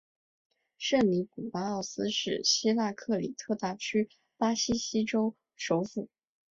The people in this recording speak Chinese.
圣尼古拉奥斯是希腊克里特大区拉西锡州首府。